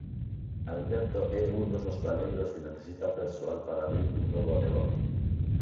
Alberto é un dos hostaleiros que necesita persoal para abrir un novo negocio.